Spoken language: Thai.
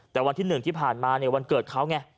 แต่วันที่๑ที่ผ่านมาเนี่ยวันเกิดเขาไง